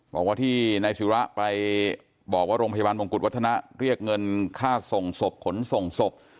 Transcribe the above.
บอกว่าที่นายศิระไปบอกว่าโรงพยาบาลมงกุฎวัฒนะเรียกเงินค่าส่งศพขนส่งศพ